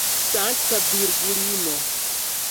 Sankta Virgulino!